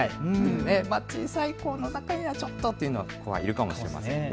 小さい子の中ではちょっとという子はいるかもしれませんね。